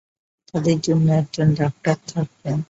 তাদের জন্য একজন ডাক্তার থাকবেন।